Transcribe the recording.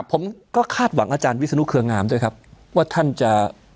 ผมก็คาดหวังอาจารย์วิศนุเครืองามด้วยครับว่าท่านจะ